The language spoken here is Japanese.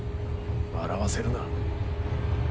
笑わせるな。